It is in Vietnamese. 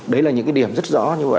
đấy là những điểm rất rõ